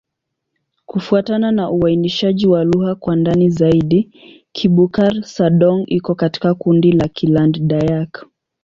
Kufuatana na uainishaji wa lugha kwa ndani zaidi, Kibukar-Sadong iko katika kundi la Kiland-Dayak.